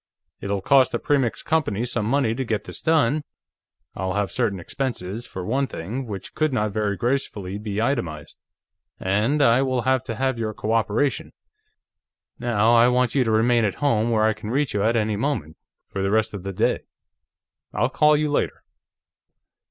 It'll cost the Premix Company some money to get this done I'll have certain expenses, for one thing, which could not very gracefully be itemized and I will have to have your cooperation. Now, I want you to remain at home, where I can reach you at any moment, for the rest of the day. I'll call you later."